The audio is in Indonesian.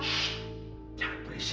shhh jangan berisik